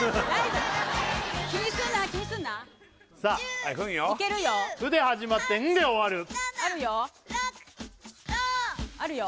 気にすんな気にすんないけるよ「ふ」で始まって「ん」で終わるあるよあるよ